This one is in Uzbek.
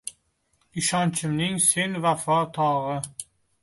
Ishonchimning sen vafo tog’i.